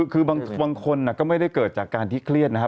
คือบางคนก็ไม่ได้เกิดจากการที่เครียดนะครับ